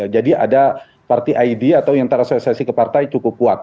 jadi ada parti aid atau yang terasosiasi ke partai cukup kuat